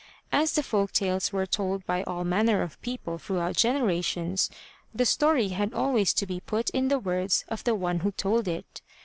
As the folk tales were told by all manner of people throughout generations, the story had always to be put in the words of the one who told it.